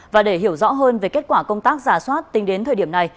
và để hiểu rõ hơn về kết quả công tác giả soát tính đến thời điểm này